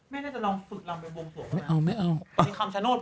แม่ง่าจะลองฝึกลำมาบวงฝัง